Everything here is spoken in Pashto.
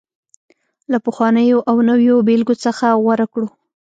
له پخوانيو او نویو بېلګو څخه غوره کړو